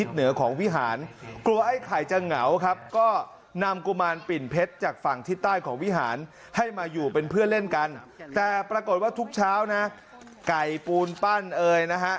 แต่ปรากฏว่าทุกเช้านะไก่ปูนปั้นเอยนะฮะ